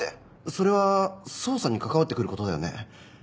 それは捜査に関わってくる事だよね。